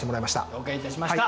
了解いたしました。